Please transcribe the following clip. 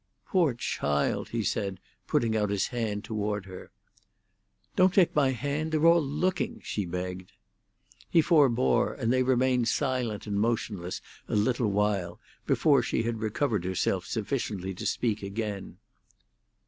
"Poor child!" he said, putting out his hand toward her. "Don't take my hand; they're all looking," she begged. He forbore, and they remained silent and motionless a little while, before she had recovered herself sufficiently to speak again.